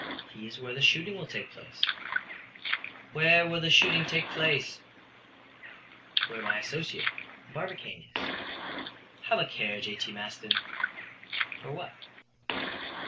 "He is where the shooting will take place." "Where will the shooting take place?" "Where my associate, Barbicane, is." "Have a care, J.T. Maston." "For what?"